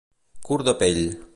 Curt de pell.